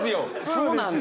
そうなんだ。